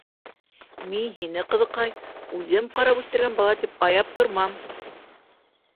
Мин һине, ҡыҙыҡай, үҙем ҡарап үҫтергән бала тип аяп тормам!